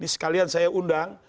sekalian saya undang